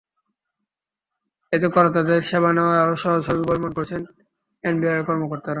এতে করদাতার সেবা নেওয়া আরও সহজ হবে বলে মনে করছেন এনবিআরের কর্মকর্তারা।